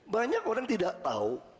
banyak orang tidak tahu